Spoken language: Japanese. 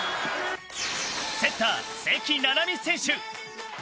セッター、関菜々巳選手。